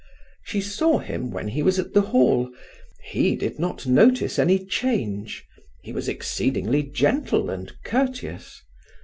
She saw him when he was at the Hall. He did not notice any change. He was exceedingly gentle and courteous.